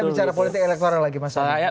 kita bicara politik elektoral lagi mas adi